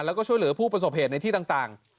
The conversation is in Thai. แล้วก็ช่วยเหลือผู้ประสบเหตุในที่ต่าง